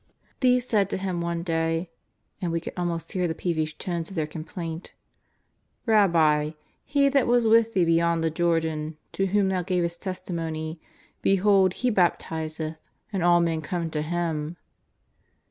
These said to him one day — and we can almost hear the peevish tones of their complaint: " Pabbi, He that was with thee beyond the Jordan, to whom thou gavest testimony, behold He baptizeth, and all men come to Him.''